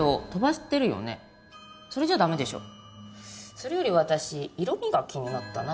それより私色味が気になったな。